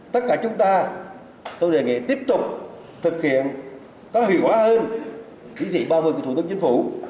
tất cả chúng ta tôi đề nghị tiếp tục thực hiện có hiệu quả hơn chỉ thị ba mươi của thủ tướng chính phủ